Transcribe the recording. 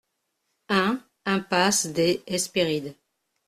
un impasse des Hesperides